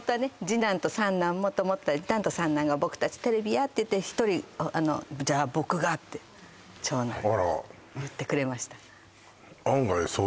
次男と三男もと思ったら次男と三男が僕たちテレビ嫌って言って１人あのって長男あら言ってくれました